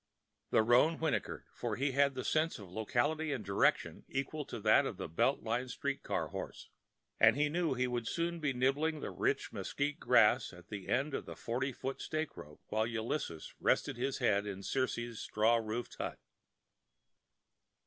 The roan whickered; for he had a sense of locality and direction equal to that of a belt line street car horse; and he knew he would soon be nibbling the rich mesquite grass at the end of a forty foot stake rope while Ulysses rested his head in Circe's straw roofed hut.